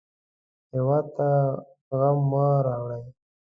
هېواد ته غم مه راوړئ